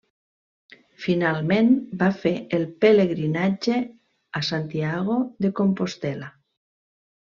Finalment, va fer el pelegrinatge a Santiago de Compostel·la.